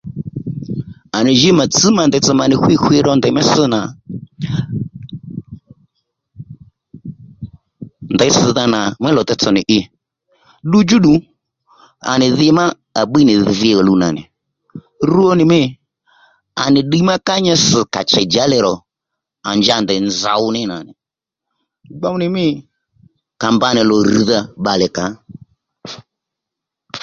À nì jǐ mà ndèytsò mà nì ɦwí ɦwi ro ndèy ss̀dhànà mí lò teytsò nì i ddudjú ddù à nì dhi má à bbíy nì vi ò luw nà nì rwo nì mî à nì ddiy má ka nyi ss̀ kà chèy njǎli rò à nja ndèy nzow ní nà nì gbow nì mî kà mba nì lò rr̀dha bbalè kà ò